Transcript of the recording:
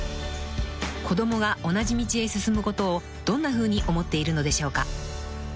［子供が同じ道へ進むことをどんなふうに思っているのでしょうか？］